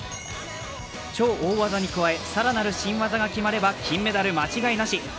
超大技に加え、更なる新技が決まれば金メダル間違いなし。